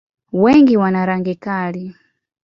Wengi wana rangi kali.